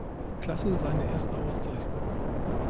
Klasse seine erste Auszeichnung.